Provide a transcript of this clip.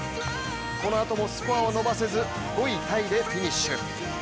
その後もスコアを伸ばせず５位タイでフィニッシュ。